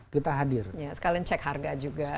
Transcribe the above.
kita hadir sekalian cek harga juga